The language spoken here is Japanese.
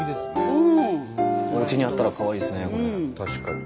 おうちにあったらかわいいですねこれ。